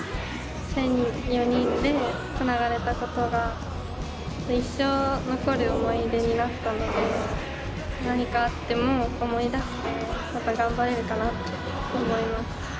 １，００４人でつながれたことが一生残る思い出になったので何かあっても思い出してまた頑張れるかなって思います。